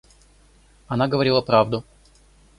Она говорила правду.